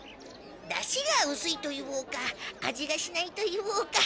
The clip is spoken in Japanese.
だしがうすいと言おうか味がしないと言おうか。